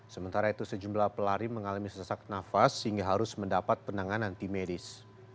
sementara itu sejumlah pelari mengalami sesak nafas sehingga harus mendapat penanganan tim medis